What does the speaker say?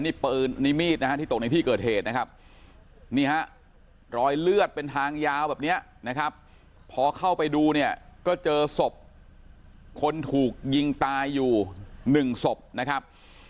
นี่ปืนนี่มีดนะฮะที่ตกในที่เกิดเหตุนะครับนี่ฮะรอยเลือดเป็นทางยาวแบบนี้นะครับพอเข้าไปดูเนี่ยก็เจอศพคนถูกยิงตายอยู่หนึ่งศพนะครับ